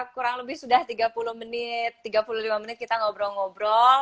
kurang lebih sudah tiga puluh menit tiga puluh lima menit kita ngobrol ngobrol